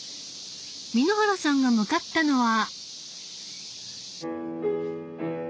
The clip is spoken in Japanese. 簑原さんが向かったのは。